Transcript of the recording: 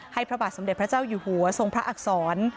พระบาทสมเด็จพระเจ้าอยู่หัวทรงพระอักษร